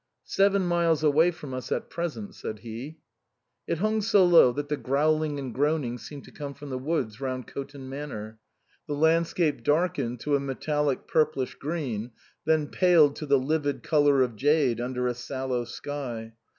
"Seven miles away from us at present," said he. It hung so low that the growling and groan ing seemed to come from the woods round Coton Manor ; the landscape darkened to a metallic purplish green, then paled to the livid colour of jade under a sallow sky.